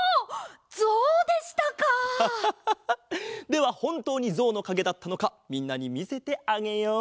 ではほんとうにゾウのかげだったのかみんなにみせてあげよう。